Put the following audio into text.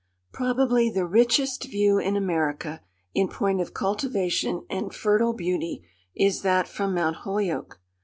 Probably the richest view in America, in point of cultivation and fertile beauty, is that from Mount Holyoke.